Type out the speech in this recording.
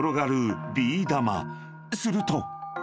［すると］